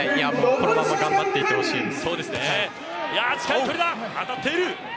このまま頑張ってほしいです。